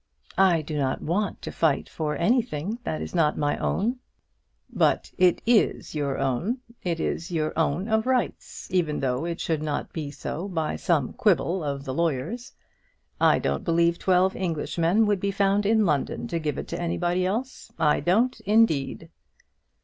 "I do not want to fight for anything that is not my own." "But it is your own. It is your own of rights, even though it should not be so by some quibble of the lawyers. I don't believe twelve Englishmen would be found in London to give it to anybody else; I don't indeed."